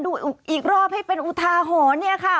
วนดูหเป็นอุทาหอค่ะ